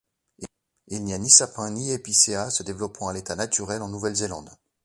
Il n'y a ni sapin, ni épicéa se développant à l'état naturel en Nouvelle-Zélande.